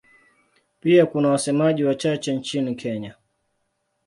Pia kuna wasemaji wachache nchini Kenya.